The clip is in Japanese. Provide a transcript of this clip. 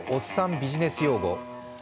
ビジネス用語